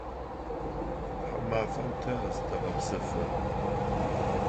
Тхьаумафэм тэ зытэгъэпсэфы.